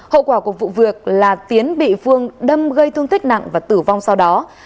hậu quả của vụ việc là tiến bị phương đâm gây thương tích nặng và tử vong sau đó